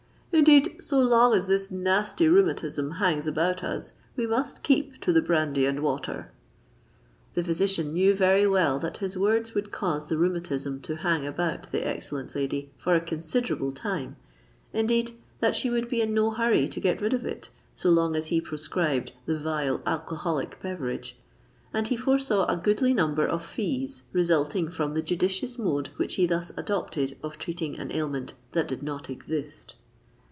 "Indeed, so long as this nasty rheumatism hangs about us, we must keep to the brandy and water." The physician knew very well that his words would cause the rheumatism to hang about the excellent lady for a considerable time,—indeed that she would be in no hurry to get rid of it, so long as he proscribed "the vile alcoholic beverage";—and he foresaw a goodly number of fees resulting from the judicious mode which he thus adopted of treating an ailment that did not exist.